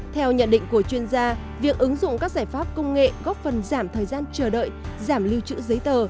theo nhận định của chuyên gia việc ứng dụng các giải pháp công nghệ góp phần giảm thời gian chờ đợi giảm lưu trữ giấy tờ